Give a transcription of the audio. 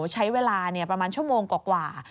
ใช้เวลาประมาณชั่วโมงกว่า